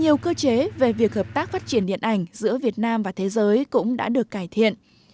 nhiều cơ chế về việc hợp tác phát triển điện ảnh giữa việt nam và thế giới cũng đã được cải thiện